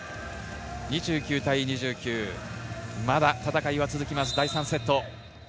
２９対２９、まだ戦いは続きます、第３セット。